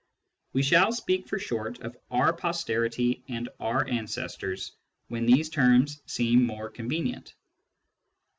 We shall speak for short of " R posterity " and " R ancestors " when these terms seem more convenient.